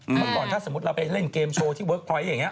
เมื่อก่อนถ้าสมมุติเราไปเล่นเกมโชว์ที่เวิร์คพอยต์อย่างนี้